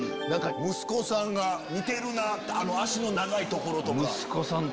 息子さんが似てるなって脚の長いところとか。